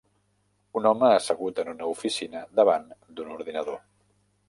Un home assegut en una oficina davant d'un ordinador.